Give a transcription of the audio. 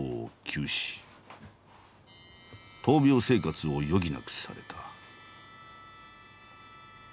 闘病生活を余儀なくされた。